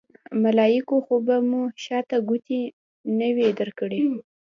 ملایکو خو به مو شاته ګوتې نه وي درکړې.